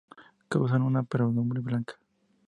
Causan una podredumbre blanca.